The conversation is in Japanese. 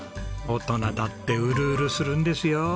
大人だってウルウルするんですよ。